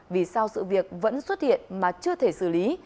vì sao sự việc vẫn xuất hiện mà chưa thể xử lý